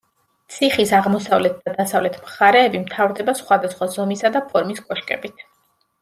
ციხის აღმოსავლეთ და დასავლეთ მხარეები მთავრდება სხვადასხვა ზომისა და ფორმის კოშკებით.